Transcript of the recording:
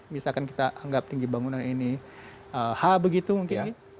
misalkan kita anggap tinggi bangunan ini h begitu mungkin